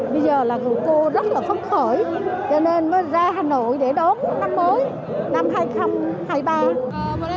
bây giờ là cô rất là phấn khởi cho nên mới ra hà nội để đón năm mới năm hai nghìn hai mươi ba